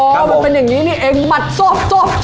อ๋อมันเป็นอย่างนี้นี่เองบัตรโซ่บ